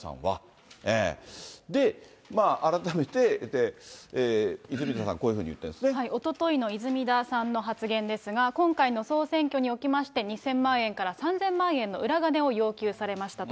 今の情報によると、泉田さんは。改めて、泉田さん、おとといの泉田さんの発言ですが、今回の総選挙におきまして、２０００万円から３０００万円の裏金を要求されましたと。